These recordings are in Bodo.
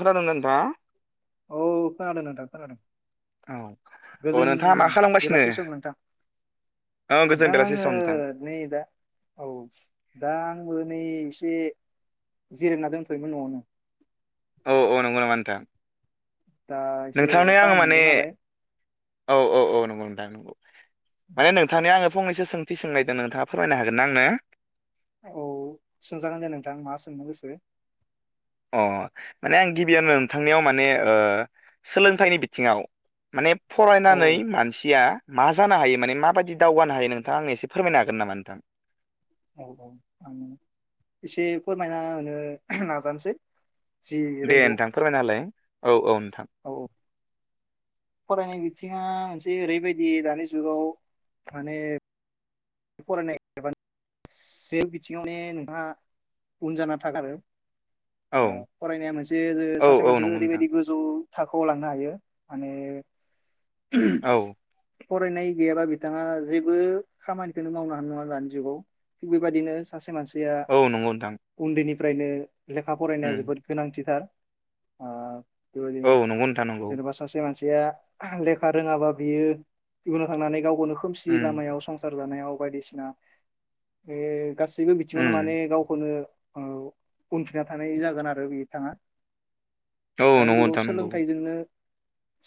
खोनादों ना नोंथाङा? औ खोनादों नोंथा खोनादों। औ औ गोजोन नोंथाङा मा खालामगासिनो? बेलासे सम नोंथां। औ गोजोन नोंथां बेलासि आङो सम नोंथां नै दा औ दा आंबो नै एसे जिरायना दोंथ'योमोन न'आवनो। औ औ नंगौ नामा नोंथां? दा एसे नोंथांनो आं टाइम माने मोनदों नालाय औ औ औ नंगौ नोंथां नंगौ। माने नोंथांनि आङो फंनैसो सोंथि सोंलनायदों नोंथाङा फोरमायनो हागोन ना आंनो? औ सोंजागोन दे नोंथां मा सोंनो गोसो। अ'। माने आं गिबियावानो नोंथांनियाव माने ओ सोलोंथाइनि बिथिङाव माने औ फरायनानै मानसिया मा जानो हायो माने माबायदि दावगानो हायो नोंथां आंनो एसे फोरमायनो हागोन नामा नोंथां? औ औ आं एसे फोरमायना होनो नाजानोसै। जि दे रोंगौ नोंथां फोरमाय नालाय। औ औ। नोंथां औ औ। फरायनाय बिथिङा मोनसे ओरैबायदि दानि जुगाव माने फरायनाय [unintelligible] बिथिङावनो नोंहा उन जाना थागारो औ ओ फरायनाया मोनसे औ सासे औ मानसिखौ नंगौ नोंथां ओरैबायदि गोजौ थाखोआव लांनो हायो माने औ फरायनाय गैयाबा बिथाङा जेबो खामानि नो मावनो हानाय नङा दानि जुगाव थिग बेबायदिनो सासे मानसि औ नंगौ नोंथां उन्दैनि फ्रायनो लेखा फरायनाया उम जोबोद गोनांथिथार औ नंगौ नोंथां नंगौ जेन'बा सासे मानसि आ लेखा रोङाबा बियो युनाव थांनानै गावखौनो खोमसि उम लामायाव संसार लानायाव बायदिसिना बे गासैबो बिथिङावनो माने उम गावखौनो औ उनफिना थानाय जागोन आरो बिथाङा औ दानि नंगौ जुगाव नोंथां नंगौ सोलोंथाइजोंनो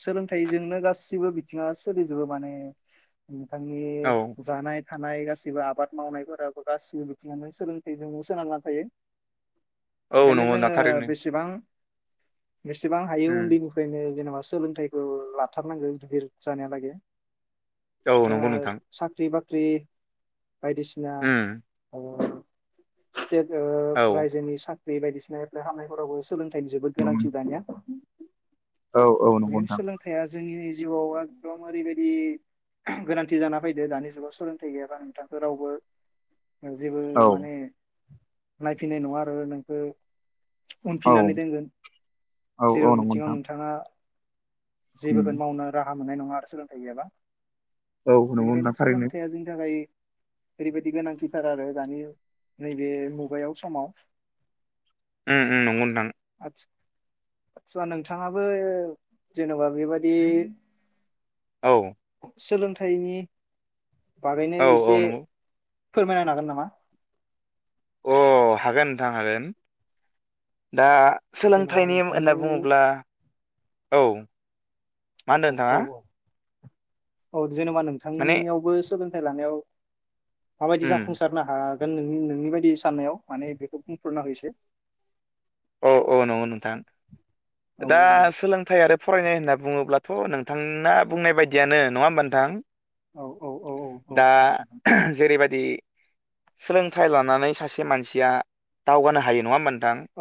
सोलोंथाइजोंनो गासिबो बिथिङा सोलिजोबो माने नोंथांनि औ जानाय थानाय गासैबो आबाद मावनायफोराबो गासिबो बिथिङावनो सोलोंथाइजों सोनारना थायो। औ बेखायनो नंगौ ना जोङो थारैनो बेसेबां बेसेबां हायो उम उन्दैनिफ्रायनो जेनेबा सोलोंथाइखौ लाथारनांगौ गिदिर जानायालागै औ नोंथाङा नंगौ नोंथां। साख्रि बाख्रि बायदिसिना उम ओ स्टेट ओ औ रायजोनि साख्रि बायदिसिना एप्लाइ खालामनायफोरावबो सोलोंथाइनि जोबोद गोनांथि दानिया औ औ नंगौ बेनो नोंथां सोलोंथाइया जोंनि जिउआव एकदम ओरैबायदि गोनांथि जाना फैदो दानि जुगाव सोलोंथाइ गैयाबा नोंथांखौ रावबो जेबो औ माने नायफैनाय नङा आरो नोंखौ औ उनफिननानै दोनगोन औ औ जेराव नंगौ बिथिङाव नोंथां नोंथाङा जेबो उम गोन मावनो राहा मोननाय नङा आरो सोलोंथाइ गैयाबा। औ नंगौ बेनिखायनो नोंथां थारैनो सोलोंथाइया जोंनि थाखाय ओरैबायदि गोनांथिथार आरो दानि नैबे मुगायाव समाव ओम‌ ओम नंगौ नोंथां। आतसा नोंथाङाबो जेनेबा बेबादि औ। सोलोंथाइनि बागैनो औ औ एसे नंगौ फोरमायना होनो हागोन नामा? अ हागोन नोंथां हागोन दा जेन'बा सोलोंथाइनि नेम नोंथांनि होनना बुङोब्ला औ। मा औ होनदों औ नोंथाङा औ औ जेनेबा माने नोंथांनियावबो सोलों थाइ‌ लानायाव माबायदि उम जाफुंसारनो हा गोन नोंनि नोंनि बायदि साननायाव माने बेखौ बुंफोरना हो एसे औ औ नंगौ नोंथां औ दा औ दे सोलोंथाइ आरो फरायनाय होनना बुङोब्लाथ नोंथांना बुंनाय बायदियानो नङा होमबा नोंथां। औ औ औ औ दा नोंथां जेरैबायाददि सोलोंथाइ लानानै सासे मानसिया दावगानो हायो नङा होनबा नोंथां। औ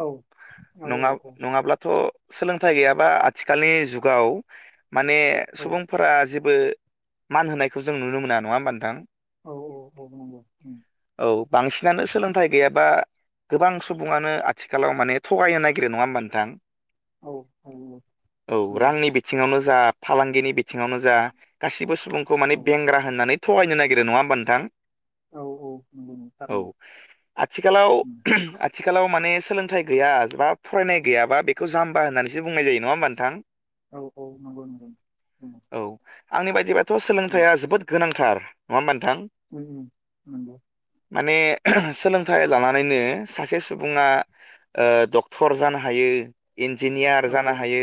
औ नङा नङाब्लाथ सोलोंथाइ गैयाबा आथिखालनि जुगाव माने सुबुंफोरा जे बो मान होनायखौ जों नुनो मोना नङा होमबा नोंथां। औ औ औ [unintelligible] नंगौ ओम औ बांसिनानो सोलोंथाइ गैयाबा गोबां सुबुङानो आथिखालाव माने थगायनो नागिरो नङा होमबा नोंथां। औ औ औ नंगौ रांनि बिथिङावनो जा फालांगिनि बिथिङावनो जा गासिबो सुबुंखौ औ माने बेंग्रा होननानै थगायनो नागिरो नङा होमबा नोंथां। औ नंगौ नंगौ थारैनो औ आथिखालाव उम आथिखालाव माने सोलोंथाइ गैया बा फरायनाय गैयाबा बेखौ जाम्बा होननानैसो बुंनाय जायो नङा होमबा नोंथां‌। औ औ नंगौ नंगौ उम औ आंनि बायदिबाथ सोलोंथाइया जोबोद गोनांथ थार नङा होनबा नों ओम ओम नोंगौ। माने सोलोंथाइ लानानैनो सासे सुबुङा ओ डक्टर जानो हायो। इन्जिनियार औ जानो हायो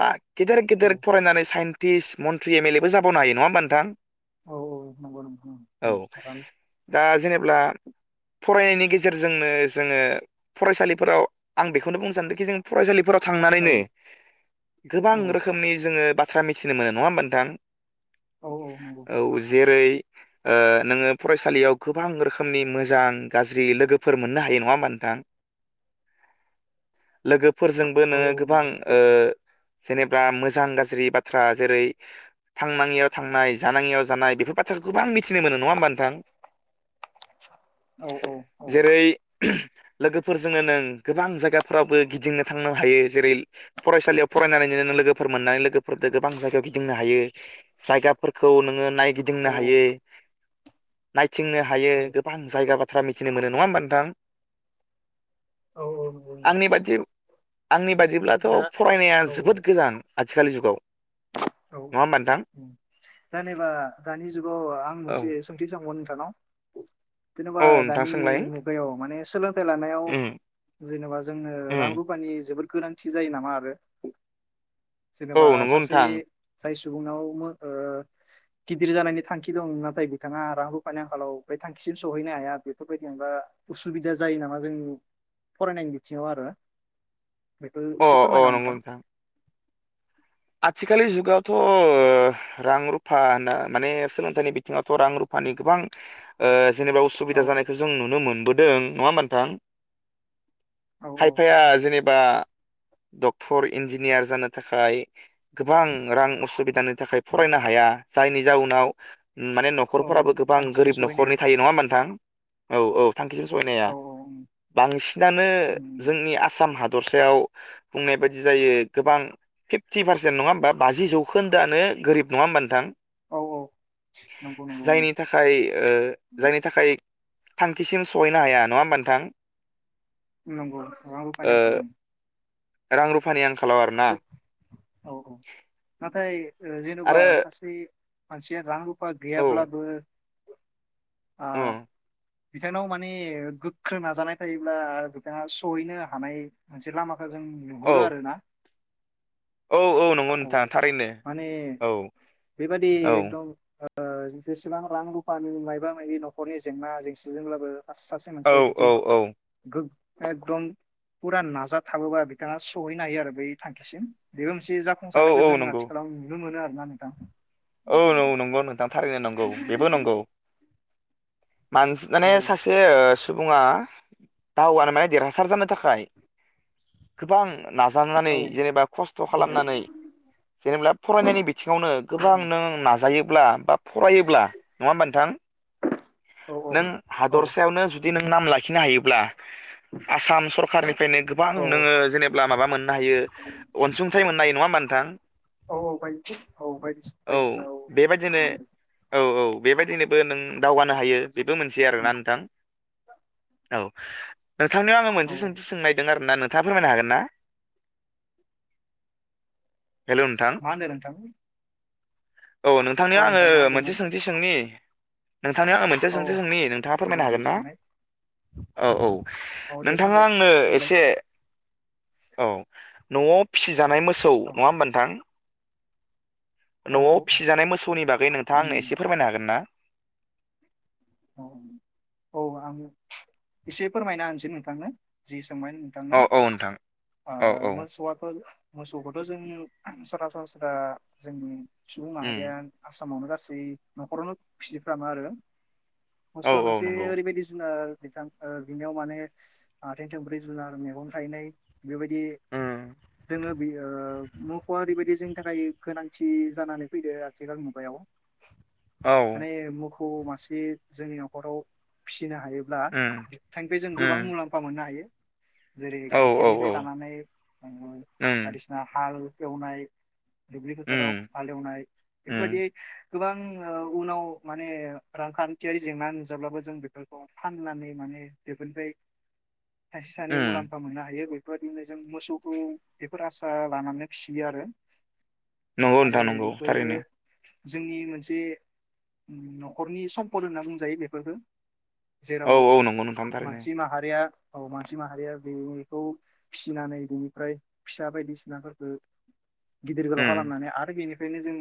बा गेदेर औ गेदेर फरायनानै साइन्स टिस मन्त्रि एम एल ए बो जाबावनो हायो नङा होमबा नोंथां। औ औ नंगौ नोंथां औ ओम ओम। दा जेनेब्ला फरायनायनि गेजेरजोंनो जोङो फरायसालिफोराव आं बेखौनो बुंनो सान्दोंखि जों फरायसालिफोराव औ थांनानैनो गोबां औ रोखोमनि जोङो बाथ्रा मिथिनो मोनो नङा होमबा नोंथां। औ औ नंगौ औ जेरै ओ नोङो फरायसालियाव गोबां रोखोमनि मोजां गाज्रि लोगोफोर मोननो हायो नङा होनबा नोंथां। लोगोफोरजोंबो औ औ नोङो गोबां नंगौ ओ जेनेब्ला मोजां गाज्रि बाथ्रा जेरै थांनाङियाव थांनाय जानाङियाव जानाय बेफोर बाथ्रा गोबां मिथिनो मोनो नङा होमबा नोंथां। औ औ औ। जेरै लोगोफोरजोंनो नों गोबां जायगाफोरावबो गिदिंनो थांनो हायो जेरै फरायसालियाव फरायनानै नो लोगोफोर मोननानै लोगोफोरजों गोबां जायगायाव गिदिंनो हायो जायगाफोरखौ नोङो औ नायगिदिंनो हायो। [unintelligible] थिंनो हायो गोबां जायगा बाथ्रा मिथिनो मोनो नङा होमबा नोंथां। औ औ नंगौ नंगौ। आंनि बादि आंनि बायदिब्लाथ फरायनाया औ जोबोद गोजान आथिखालनि जुगाव। औ नङा होमबा नोंथां औ जेनेबा दानि जुगाव आं औ मोनसे सोंथि सोंबावनि जेनेबा औ नोंथां दानि सोंलाय मुगायाव माने सोलोंथाइ लानायाव उम जेनेबा जोंनो उम रां रुफानि जोबोद गोनांथि जायो नामा आरो औ जेनेबा नंगौ सासे नोंथां जाय सुबुंनाव ओ गिदिर जानायनि थांखि दं नाथाय बिथाङा रां रुफानि आंखालाव बे‌ थांखिसिम सहैनो हाया बेफोरबायदि जेनबा उसुबिदा जायो नामा जों फरायनायनि बिथिङाव आरो बेखौ अ एसे फोरमायना हो नोंथां आथिखाललि जुगावथ' ओ रां रुफा होनना माने सोलोंथाइनि बिथिङावथ' रां रुफानि गोबां ओ जेनेबा औ उसुबिदा जानायखौ जों नुनो मोनबोदों नङा होमबा नोंथां औ खायफाया औ जेनेबा डक्टर इन्जिनियार जानो थाखाय गोबां रां असुबिदानि थाखाय औ फरायनो हाया जायनि जाउनाव माने औ न'खरफोराबो औ गोबां थांखिजों गोरिब सहैनाया न'खरनि थायो नङा होनबा नोंथां औ औ थांखिसिम सहैनो हाया औ उम बांसिनानो उम जोंनि आसाम हाद दसायाव बुंनाय बायदि जायो गोबां फि थि पारसेन्ट नङा होमबा बाजि जौखोन्दोआनो गोरिब नङा होमबा नोंथां औ औ नंगौ नंगौ जायनि थाखाय ओ औ जायनि थाखाय थांखिसिम सहैनो हाया नङा होमबा नोंथां नंगौ रां ओ रुफानि आंखाल रां रुफानि आंखालाव आरोना ओं औ औ नाथाय जेन'बा आरो सासे मानसिया रां रुप फा औ गैयाब्लाबो ओ बिथांनाव माने गोख्रों नाजानाय थायोब्ला बिथाङा सहैनो हानाय मोनसे लामा खौ जों औ नुहुरो आरो ना औ नंगौ नोंथां औ थारैनो माने औ बेबादि एकदम ओ जेसेबां रां रुफानि मायाबा मायि न'खरनि जेंना जेंसिजोंब्लाबो सासे औ मोनसेया औ जुदि औ गो एकदम फुरा नाजाथाबोबा बिथाङा सहैनो हायो आरो बै थांखिसिम बेबो मोनसे औ फुंसारनायखौ औ जों नंगौ आथिखालाव नुनो मोनो आरोना नोंथां औ नोंगौ नंगौ नोंथां थारैनो नंगौ बेबो नंगौ मानस माने औ सासे ओ सु सुबुङा दावगानो माने देरहासार जानो थाखाय गोबां नाजानानै औ जेनेबा खस्थ' खालामनानै जेनेबा फरायनायनि बिथिङावनो गो बां नाजायोब्ला बा फरायोब्ला नङा होमबा नोंथां औ औ नों औ हादरसायावनो जु जुदि नों नाम लाखिनो हायोब्ला आसाम सरखारनिफ्रायनो गोबां औ नोङो जेनेबा माबा‌ मोन नो हायो अनसुंथाइ मोननो हायो नङा होनबा नोंथां औ औ बायथि औ बायथि औ बेबायदिनो औ औ बेबायदिनोबो नों दावगानो हायो बेबो मोनसे आरोना नोंथां औ नोंथांनियाव आङो औ मोनसे सोंथि सोंनो नागिरदों आरो ना होना नोंथाङा फोरमायनो हागोन ना हेलौ नोंथां मा होनदों नोंथां औ नोंथांनिया आङो नोंथां मा मोनसे होनदोंमोन सोंथि सोंनि नोंथांनियाव आङो मोनसे औ सोंथि सोंनि नोंथाङा दे फोरमायनो दे हागोन ना सोंनाय औ औ औ दे नोंथाङा फानबाय आंनो बुंलाय एसे औ न'आव फिसिजानाय मोसौ औ नङा होमबा नोंथां औ न'आव औ फिसिजानाय मोसौनि बागै नोंथाङा उम आंनो एसे फोरमायनो हागोन ना औ औ आङो एसे फोरमायना होनोसै नोंथांनो जि सोंबाय नोंथांआ औ औ नोंथां औ औ मोसौआथ' मोसौखौथ' जों सरासरास्रा जोंनि सुबुं उम माहारिया आसामावनो गासै न'खरावनो फिसिफ्रामो आरो औ मोसौआ औ मोनसे नंगौ ओरैबायदि जुनार बिथां बिनिआव माने आथं थोमब्रै जुनार मैगं थायननाय बेबायदि उम जोङो बे मुफ'आ ओरैबायदि जोंनि थाखाय गोनांथि जानानै फैदो आथिखाल मुगायाव औ माने मोखौ मासे जोंनि न'खराव फिनो हायोब्ला उम बिथांख जों उम गोबां मुलाम्फा मोननो हायो जेरै औ औ गाइखेरनिफ्राय औ लानानै उम बायदिसिना हाल एवनाय दुब्लि उम फोथाराव हालेवनाय उम बेफोरबायदियै गोबां ओ उनाव माने रांखान्थि खिथियारि जेंना नुजाब्लाबो जों बेफोरखौ फाननानै माने बेफोरनिफ्राय सासे सानै उम मुलाम्फा मोननो हायो। बेफोरबायदिनो जों मोसौखौ बेफोर आसा लानानै फिसियो आरो नंगौ आरो होनथा नंगौ थारैनो बेफोरो जोंनि मोनसे न'खरनि सम्पद होनना बुंजायो बेफोरफोरखौ औ जेराव औ नंगौ नोंथां थारैनो मानसि माहारिया औ मानसि माहारिया बेखौ फिसिनानै बेनिफ्राय फिसा बायदिसिनाफोरखौ गिदिर गोलाव उम खालामनानै आरो बेनिफ्रायनो जों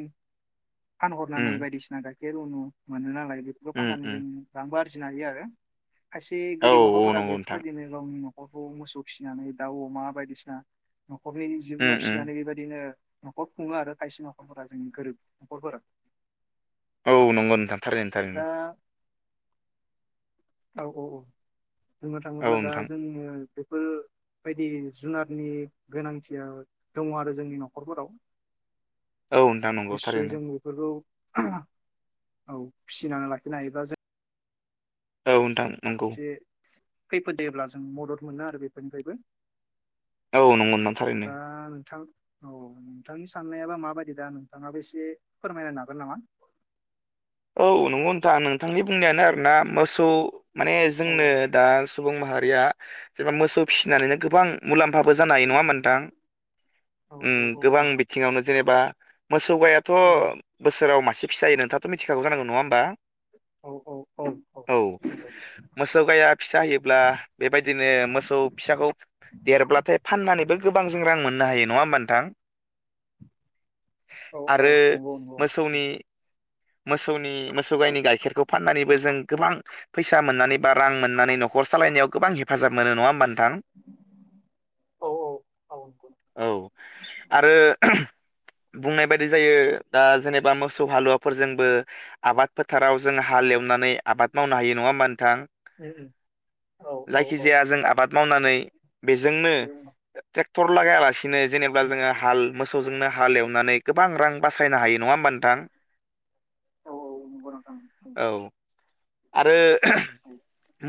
उम फानहरनानै बायदिसिना गाय ए रुनु मोनो नालाय बेफोरखौ उम फाननानै उम जों रांबो आरजिनो हायो आरो खायसे औ गोरिब औ न'खरफोरा नंगौ नोंथां बेफोरबायदिनो गावनि न'खरखौ मोसौ फिसिनानै दाउ अमा बायदिसिना न'खरनि जिब जुनार उम उम फिसिनानै बेबायदिनो न'खर खुङो आरो खायसे न'खरफोरा जोंनि गोरिब न'खरफोरा औ नंगौ ओनथां थारैनो दा थारैनो औ औ औ बुंनो औ थाङोब्ला दा नोंथां जोंङो बेफोर बायदि जुनारनि गोनांथिया दङ आरो जोंनि न'खरफोराव औ नोंथां [inaudible] नंगौ निसय थारैनो जों बेफोरखौ औ फिसिनानै लाखिनो हायोबा जों औ नोंथां नंगौ खैफोदै जब्ला जों मदद मोनो आरो बेफोरनिफ्रायबो औ नंगौ दा थारैनो नोंथां औ नोंथांनि साननायाबा माबायदि दा नोंथाङाबो एसे फोरमायलाय हागोन नामा? [inaudible] औ नंगौ नोंथां नोंथांनि बुंनायानो आरोना मोसौ माने औ जोंनो दा सुबुं माहारिया जेनबा मोसौ फिसिनानैनो गोबां मुलाम्फाबो जानाय नङा होमबा नोथां औ औ ओम औ गोबां बिथिङावनो जेनेबा मोसौ गायाथ' औ बोसोराव मासे फिसा होयो नोंथांआथ' मिथिखगौ जानांगौ नङा होमबा औ औ औ औ औ मोसौ गाया फिसा होयोब्ला बेबायदिनो मोसौ फिसाखौ देरब्लाथाय फाननानैबो गोबां जों रां मोननो हायो नङा होमबा नोंथां? औ औ आरो नंगौ नंगौ मोसौनि मोसौनि मोसौ गायनि गाइखेरखौ फाननानैबो जों गोबां फैसा मोननानै बा रां मोननानै न'खर [unintelligible] सालायनायाव गोबां हेफाजाब मोनो नङा होमबा नोंथां? औ औ औ नंगौ [inaudible] औ आरो बुंनाय बायदि जायो दा जेनेबा मोसौ हालुवा फोरजोंबो आबाद फोथाराव जों हाल एवनानै आबाद मावनो हायो नङा होमबा नोंथां औ औ औ जायखिजाया जों आबाद मावनानै बेजोंनो ट्रेक्टर लागायालासिनो जेनेबा जोङो हाल मोसौजोंनो हालेवनानै गोबां रां बासायनो हायो नङा होमबा नोंथां? औ [inaudible] आरो औ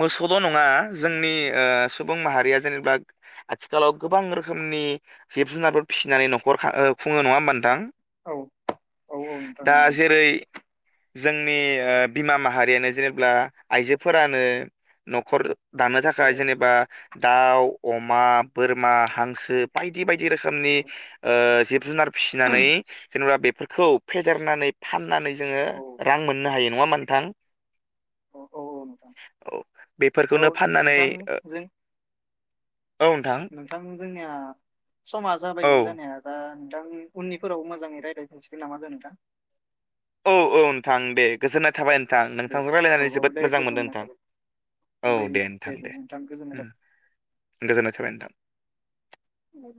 मोसौद' नङा जोंनि सुबुं माहारिया जेनेबा आथिखालाव गोबां रोखोमनि जिब जुनारफोर फिसिनानै न'खर खुङो नङा होमबा नोंथां? औ औ औ नोंथां बेरै जोंनि ओ बिमा माहारियानो जेनेबा आइजोफोरानो न'खर दानो औ थाखाय जेनेबा दाउ अमा बोरमा हांसो बायदि बायदि रोखोमनि औ जिब जुनार फिसिनानै जेनेबा बेफोरखौ फेदेरनानै फाननानै जोङो औ रां मोननो हायो। नङा होमबा नोंथां? औ औ नोंथां औ औ बेफोरखौनो फाननानै नोंथांजों औ नोंथां। जोंनिया समा औ जाबायमोन जानाया दा दा उननिफोराव मोजाङै रायज्लायहैसिगोन नामा दे नोंथां। औ औ नोंथां दे गोजोननाय थाबाय नोंथां दे नोंथांजों औ रायजलायनानै औ जोबोद दे मोजां मोनदों गोजोननाय नोंथां। थाबाय औ दे नोंथां दे गोजोननाय थाबाय नोंथां। उम